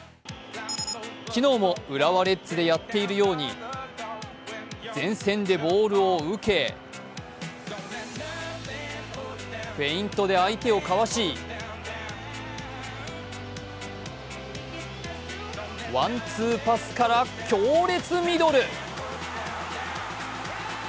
昨日も、浦和レッズでやっているように前線でボールを受けフェイントで相手をかわしワンツーパスから強烈ミドル。